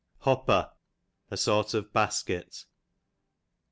Hopper, a sort of a basket.